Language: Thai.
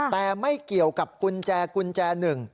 แต่ไม่เกี่ยวกับกุญแจกุญแจหนึ่ง